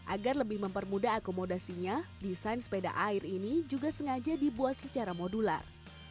agar lebih mempermudah akomodasinya desain sepeda air ini juga sengaja dibuat secara modular